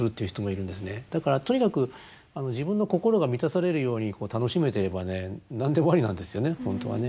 だからとにかく自分の心が満たされるように楽しめていれば何でもありなんですよね